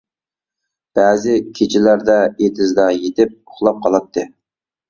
بەزى كېچىلەردە ئېتىزدا يېتىپ ئۇخلاپ قالاتتى.